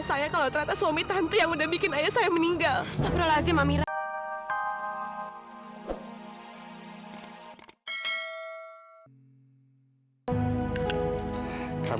sampai jumpa di video selanjutnya